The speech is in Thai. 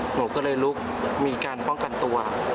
หนูก็เลยลุกมีการป้องกันตัว